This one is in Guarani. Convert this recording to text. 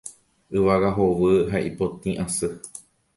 Yvága hovy ha ipotĩ asy.